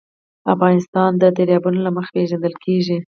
افغانستان د دریابونه له مخې پېژندل کېږي.